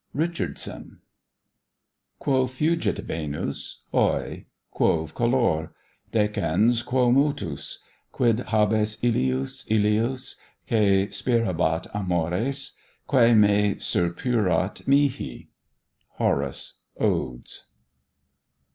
RICHARDSON. Quo fugit Venus! heu! Quove color? decens Quo motus? Quid habes illius, illius, Quae spirabat amores, Quae me surpuerat mihi? HORACE, Odes.